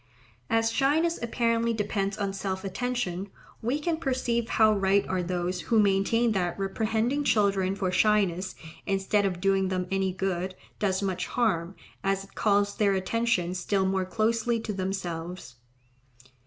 As shyness apparently depends on self attention, we can perceive how right are those who maintain that reprehending children for shyness, instead of doing them any good, does much harm, as it calls their attention still more closely to themselves.